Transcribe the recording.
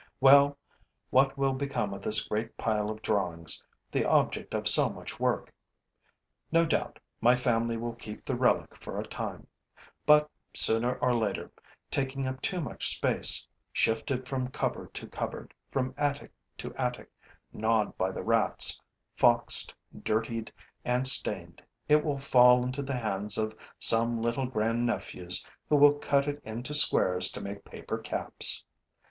Well, what will become of this great pile of drawings, the object of so much work? No doubt, my family will keep the relic for a time; but, sooner or later, taking up too much space, shifted from cupboard to cupboard, from attic to attic, gnawed by the rats, foxed, dirtied and stained, it will fall into the hands of some little grandnephews who will cut it into squares to make paper caps.